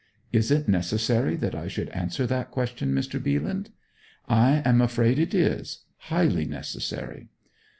'Is it necessary that I should answer that question, Mr. Bealand?' 'I am afraid it is highly necessary.'